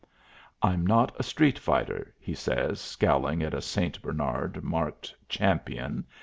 "I'm not a street fighter," he says, scowling at a St. Bernard marked "Champion."